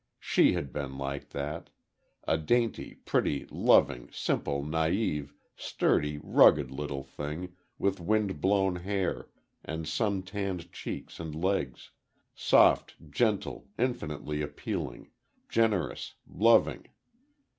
SHE had been like that; a dainty, pretty, loving, simple, naive, sturdy, rugged little thing, with wind blown hair, and sun tanned cheeks and legs soft, gentle, infinitely appealing, generous, loving.